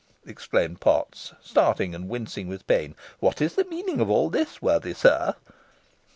exclaimed Potts, starting, and wincing with pain. "What is the meaning of all this, worthy sir?"